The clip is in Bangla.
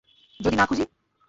যদি না খুঁজি?